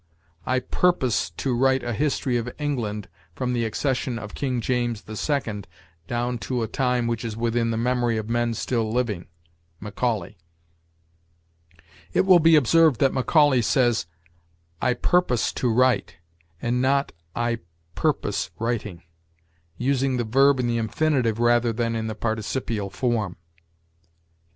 "I purpose to write a history of England from the accession of King James the Second down to a time which is within the memory of men still living." Macaulay. It will be observed that Macaulay says, "I purpose to write" and not, "I purpose writing," using the verb in the infinitive rather than in the participial form.